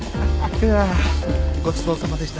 いやごちそうさまでした。